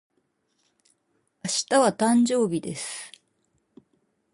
明日は、誕生日です。